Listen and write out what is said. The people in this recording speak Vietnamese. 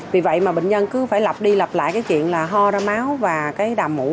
vì vậy bệnh nhân cứ phải lặp đi lặp lại chuyện ho ra máu và đàm mũ